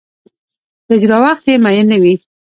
د اجرا وخت یې معین نه وي.